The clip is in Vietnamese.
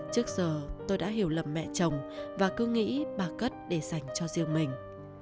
trước giờ tôi đã hiểu lầm mẹ chồng và cứ nghĩ bà cất để dành cho riêng mình